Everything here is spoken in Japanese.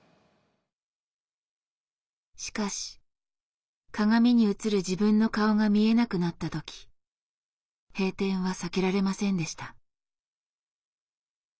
しかし鏡に映る自分の顔が見えなくなった時閉店は避けられませんでした。